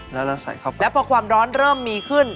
แล้วเราใส่เข้าไปแล้วพอความร้อนเริ่มมีขึ้น